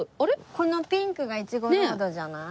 このピンクがイチゴロードじゃない？